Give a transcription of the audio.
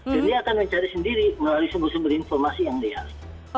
jadi akan mencari sendiri melalui sumber sumber informasi yang dia hasilkan